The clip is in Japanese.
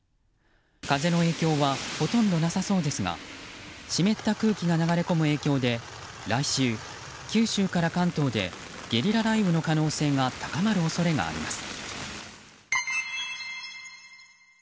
風の影響はほとんどなさそうですが湿った空気が流れ込む影響で来週、九州から関東でゲリラ雷雨の可能性が高まる恐れがあります。